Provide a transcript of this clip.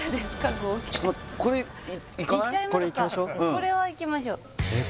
合計これはいきましょうえっ